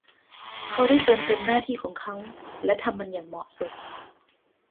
เขาได้เติมเต็มหน้าที่ของเขาและทำมันอย่างเหมาะสม